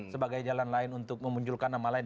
sebagai jalan lain untuk memunculkan namanya